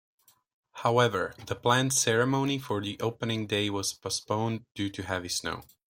However, the planned ceremony for the opening day was postponed due to heavy snow.